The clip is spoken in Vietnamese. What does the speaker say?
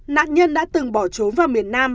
nạn nhân đã từng bỏ trốn vào miền nam